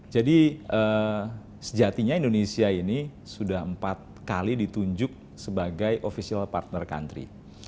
jadi sejatinya indonesia ini sudah empat kali ditunjuk sebagai official partner country